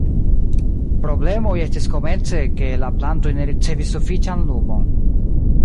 Problemoj estis komence, ke la plantoj ne ricevis sufiĉan lumon.